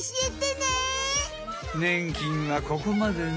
ねん菌はここまでね。